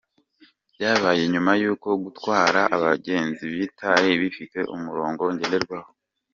Byabaye nyuma y’uko gutwara abagenzi bitari bifite umurongo ngenderwaho.